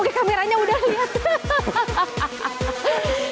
oke kameranya udah lihat